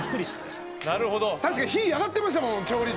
確かに火上がってましたもん調理中。